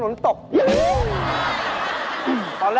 เหปาตะเกะเหปาตะเกะ